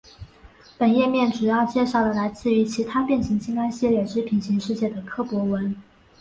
本页面主要介绍了来自于其他变形金刚系列之平行世界的柯博文。